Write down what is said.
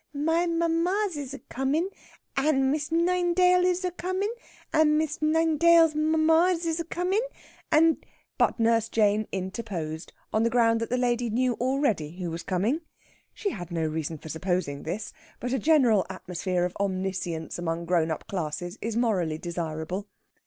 "My mummar zis a comin', and Miss Ninedale zis a comin', and Miss Ninedale's mummar zis a comin', and...." But Nurse Jane interposed, on the ground that the lady knew already who was coming. She had no reason for supposing this; but a general atmosphere of omniscience among grown up classes is morally desirable.